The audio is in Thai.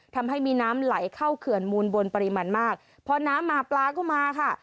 ทำให้มีน้ำไหลเข้าเขื่อนมูลบนปริมาณมากพอน้ำมาปลาก็มาค่ะ